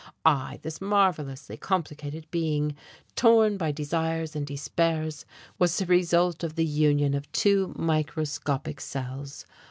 I, this marvellously complicated being, torn by desires and despairs, was the result of the union of two microscopic cells.